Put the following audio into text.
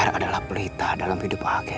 ar adalah pelita dalam hidup a'ah kemi